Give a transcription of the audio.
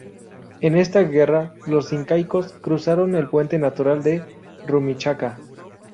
En esta guerra los incaicos cruzaron el puente natural de Rumichaca.